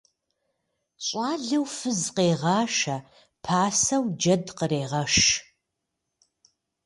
Щӏалэу фыз къегъашэ, пасэу джэд кърегъэш.